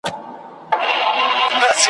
پرسکروټو به وروړمه د تڼاکو رباتونه `